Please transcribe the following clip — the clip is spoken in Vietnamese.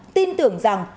tin tưởng rằng